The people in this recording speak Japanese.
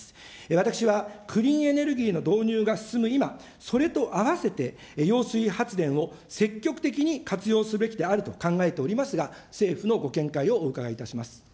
私はクリーンエネルギーの導入が進む今、それと併せて、揚水発電を積極的に活用すべきであると考えておりますが、政府のご見解をお伺いいたします。